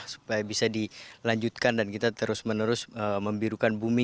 supaya bisa dilanjutkan dan kita terus menerus membirukan bumi